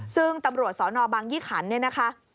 ซึ่งตำรวจสนบางยี่ขันเนี่ยนะคะ